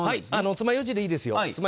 つまようじでいいですよ。